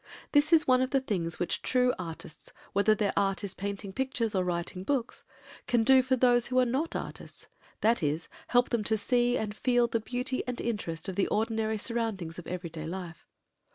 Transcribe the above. This is one of the things which true artists, whether their art is painting pictures or writing books, can do for those who are not artists—that is, help them to see and feel the beauty and interest of the ordinary surroundings of everyday life.